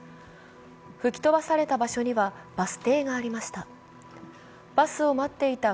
吹き飛ばされた場所にはバス停がありました。